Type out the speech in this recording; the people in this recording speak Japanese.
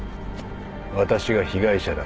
私が被害者だ。